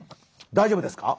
大丈夫ですか？